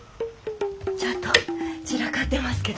ちょっと散らかってますけど。